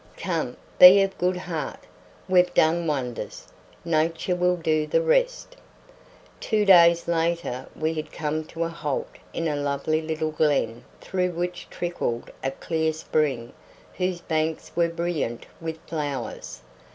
Come, be of good heart. We've done wonders; nature will do the rest." Two days later we had come to a halt in a lovely little glen through which trickled a clear spring whose banks were brilliant with flowers.